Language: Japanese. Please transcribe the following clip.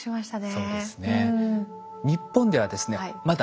そうですか。